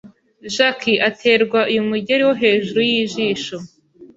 Jackie aterwa uyu mugeri wo hejuru y’ijisho